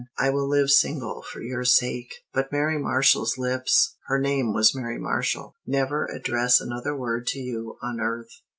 I will live single for your sake, but Mary Marshall's lips" her name was Mary Marshall "never address another word to you on earth.